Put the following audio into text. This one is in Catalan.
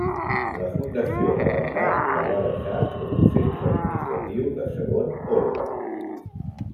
La fundació de Bagdad la va deixar com un centre administratiu de segon orde.